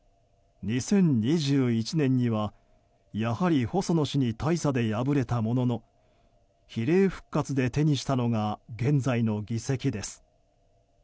２０２１年には、やはり細野氏に大差で敗れたものの比例復活で手にしたのが現在の議席です。